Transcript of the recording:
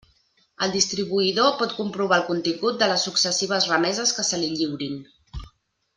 El distribuïdor pot comprovar el contingut de les successives remeses que se li lliurin.